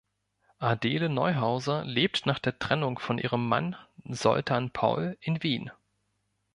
Adele Neuhauser lebt nach der Trennung von ihrem Mann Zoltan Paul in Wien.